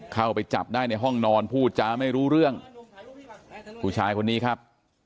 เข้าไปจับได้ในห้องนอนพูดจ้าไม่รู้เรื่องผู้ชายคนนี้ครับ